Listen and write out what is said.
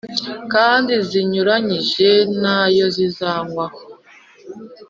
Kandi zinyuranyije nayo zivanyweho